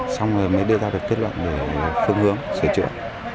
xong rồi mới đưa ra được kết luận để phương hướng sửa chữa